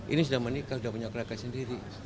ini sudah menikah sudah punya keluarga sendiri